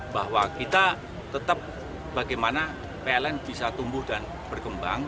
bahwa kita tetap bagaimana pln bisa tumbuh dan berkembang